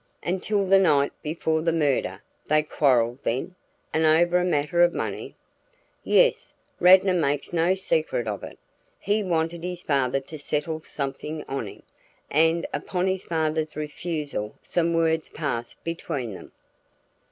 "Until the night before the murder. They quarreled then? And over a matter of money?" "Yes. Radnor makes no secret of it. He wanted his father to settle something on him, and upon his father's refusal some words passed between them."